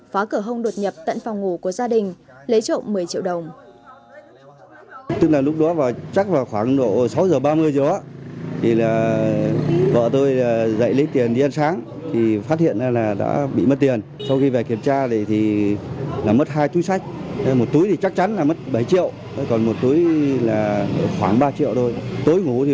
phá cửa hông đột nhập tận phòng ngủ của gia đình